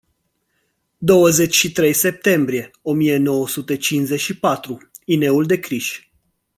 Douăzeci și trei septembrie o mie nouă sute cincizeci și patru, Ineu de Criș.